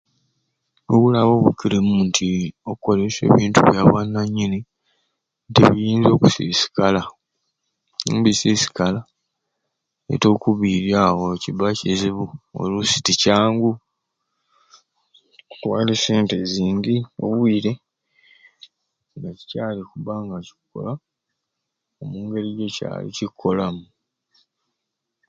Obulabe obukirimu nti okukolesya ebintu bya bwananyini nti biyinza okusiisikala ni bisiisikala yete okubiiryawo kibba kizibu oluusi tikyangu otwal'esente zingi obwire nga kikyali kubba nga kikokila engeri nikyali kikukolamu.